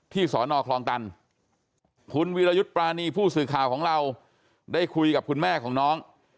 สอนอคลองตันคุณวิรยุทธ์ปรานีผู้สื่อข่าวของเราได้คุยกับคุณแม่ของน้อง